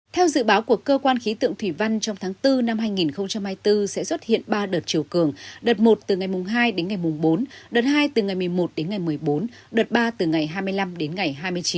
theo dự báo của cơ quan khí tượng thủy văn trong tháng bốn năm hai nghìn hai mươi bốn sẽ xuất hiện ba đợt chiều cường đợt một từ ngày mùng hai đến ngày bốn đợt hai từ ngày một mươi một đến ngày một mươi bốn đợt ba từ ngày hai mươi năm đến ngày hai mươi chín